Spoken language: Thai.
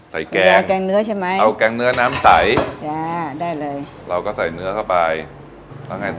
ใส่แกงเอาแกงเนื้อน้ำใสแล้วเราก็ใส่เนื้อเข้าไปแล้วไงต่อ